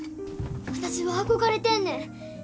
私は憧れてんねん。